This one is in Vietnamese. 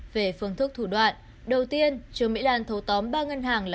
về phương thức thủ đoạn đầu tiên trương mỹ lan thâu tóm ba ngân hàng là